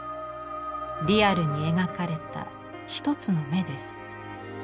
リアルに描かれた一つの眼です。